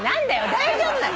大丈夫なの。